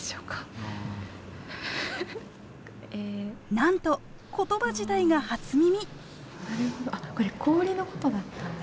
なんと言葉自体が初耳！